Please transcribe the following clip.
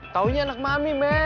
taunya anak mami men